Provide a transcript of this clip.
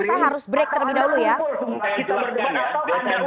saya harus break terlebih dahulu ya